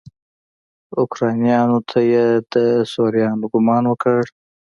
اوکرانیانو ته یې د سوريانو ګمان وکړ.